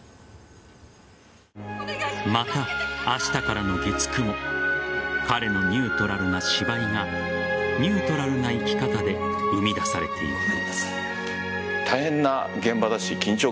また、明日からの月９も彼のニュートラルな芝居がニュートラルな生き方で生み出されていく。